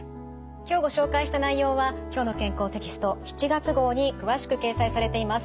今日ご紹介した内容は「きょうの健康」テキスト７月号に詳しく掲載されています。